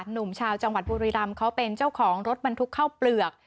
หนุ่มชาวจังหวัดบุรีรำเขาเป็นเจ้าของรถบรรทุกเข้าเปลือก